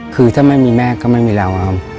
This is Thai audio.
คือถ้าไม่มีแม่ก็ไม่มีเราครับ